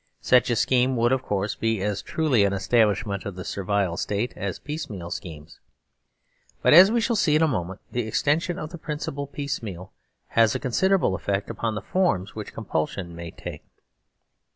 Such a scheme would, of course, be as truly an establishment of the Servile State as piecemeal schemes. But, as we shall see in a moment, the extension of the principle piece meal has a considerable effect upon the forms which compulsion may take.